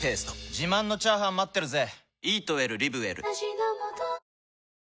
自慢のチャーハン待ってるぜ！